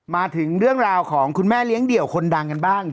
มาถึงเรื่องราวของคุณแม่เลี้ยงเดี่ยวคนดังกันบ้าง